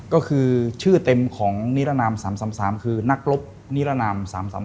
ก็คือชื่อเต็มของนิรนาม๓๓คือนักรบนิรนาม๓๓